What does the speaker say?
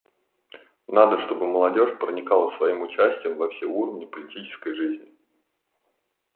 Надо, чтобы молодежь проникала своим участием во все уровни политической жизни.